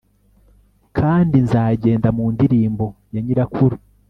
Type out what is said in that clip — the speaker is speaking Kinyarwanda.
Kandi nzagenda mu ndirimbo ya nyirakuru